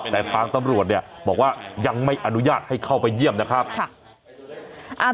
แต่ทางตำรวจเนี่ยบอกว่ายังไม่อนุญาตให้เข้าไปเยี่ยมนะครับ